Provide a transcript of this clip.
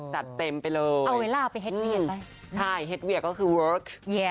ใช่เฮ็ดเวียกก็คือเวิร์ค